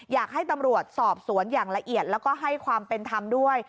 อยากให้ตำรวจสอบสวนอย่างละเอียดแล้วก็ให้ความเป็นธรรมด้วย